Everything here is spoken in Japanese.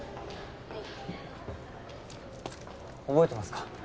・はい覚えてますか？